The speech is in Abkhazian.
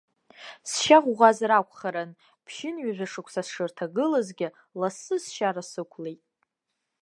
Сшьа ӷәӷәазар акәхарын, ԥшьынҩажәа шықәса сшьрҭагылазгьы, лассы сшьара сықәлеит.